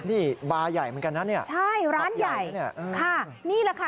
นี่บาร์ใหญ่เหมือนกันนะเนี่ยใช่ร้านใหญ่เนี่ยค่ะนี่แหละค่ะ